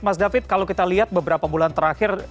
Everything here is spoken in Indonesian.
mas david kalau kita lihat beberapa bulan terakhir